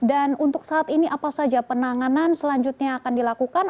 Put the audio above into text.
dan untuk saat ini apa saja penanganan selanjutnya akan dilakukan